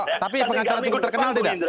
tapi pengacara cukup terkenal tidak